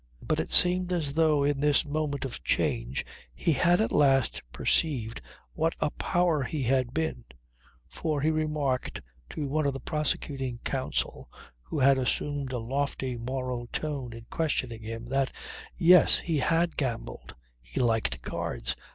But it seemed as though in this moment of change he had at last perceived what a power he had been; for he remarked to one of the prosecuting counsel who had assumed a lofty moral tone in questioning him, that yes, he had gambled he liked cards.